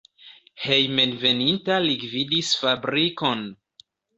Hejmenveninta li gvidis fabrikon.